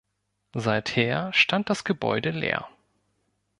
Seither stand das Gebäude leer.